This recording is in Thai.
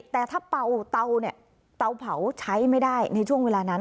แต่ถ้าเป่าเตาเนี่ยเตาเผาใช้ไม่ได้ในช่วงเวลานั้น